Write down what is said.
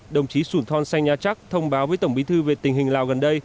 đồng chí sủn thon say nha chắc thông báo với tổng bí thư về tình hình lào gần đây